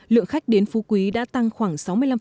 lượng khách đến phú quý đã tăng khoảng sáu mươi năm